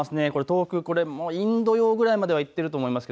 遠くインド洋ぐらいまでは行っていると思います。